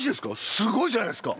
すごいじゃないですか！